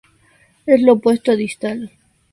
Es lo opuesto a distal.